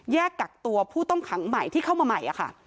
กักตัวผู้ต้องขังใหม่ที่เข้ามาใหม่ค่ะ